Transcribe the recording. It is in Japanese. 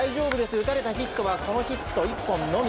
打たれたヒットはこのヒット１本のみ。